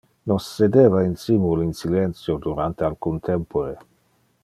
Nos sedeva insimul in silentio durante alcun tempore.